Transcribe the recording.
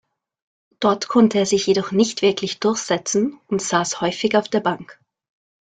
Dort konnte er sich jedoch nicht wirklich durchsetzen und saß häufig auf der Bank.